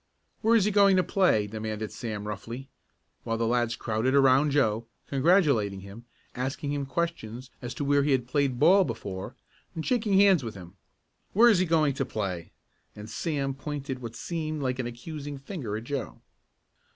"Where's he going to play?" demanded Sam roughly, while the lads crowded around Joe, congratulating him, asking him questions as to where he had played ball before, and shaking hands with him. "Where's he going to play?" and Sam pointed what seemed like an accusing finger at Joe.